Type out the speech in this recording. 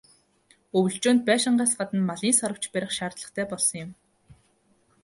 Өвөлжөөнд байшингаас гадна малын "саравч" барих шаардлагатай болсон юм.